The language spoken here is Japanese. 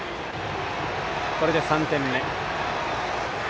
これで３点目。